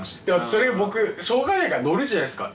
それ僕しょうがないからのるじゃないですか